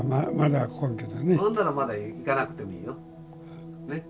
ほんならまだ逝かなくていいよ。ね？